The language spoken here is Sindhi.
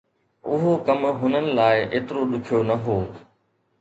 اهو ڪم هنن لاءِ ايترو ڏکيو نه هو.